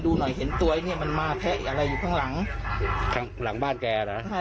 ดูหน่อยเห็นตัวไอ้เนี้ยมันมาแพะอะไรอยู่ข้างหลังข้างหลังบ้านแกนะ